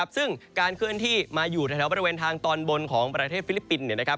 ซึ่งการเคลื่อนที่มาอยู่แถวบริเวณทางตอนบนของประเทศฟิลิปปินส์